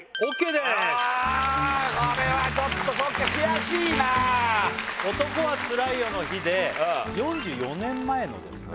でーすあっこれはちょっとそっか「男はつらいよ」の日でうん４４年前のですね